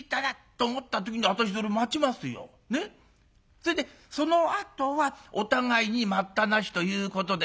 それでそのあとはお互いに『待ったなし』ということで」。